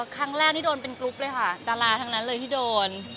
ครั้งแรกนี่โดนเป็นกรุ๊ปเลยค่ะดาราทั้งนั้นเลยที่โดน